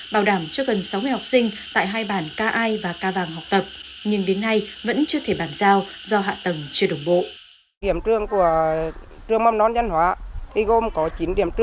bảo đảm cho gần sáu người học sinh tại hai bản k i và k vàng học tập